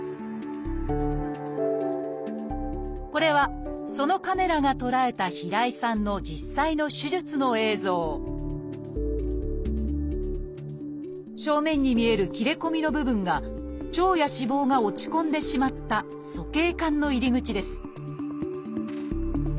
これはそのカメラが捉えた平井さんの実際の手術の映像正面に見える切れ込みの部分が腸や脂肪が落ち込んでしまった鼠径管の入り口です